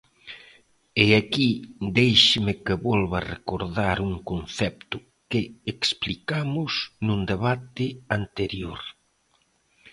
E aquí déixeme que volva recordar un concepto que explicamos nun debate anterior.